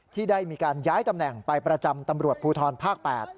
ที่ได้มีการย้ายตำแหน่งไปประจำตำรวจภูทรภาค๘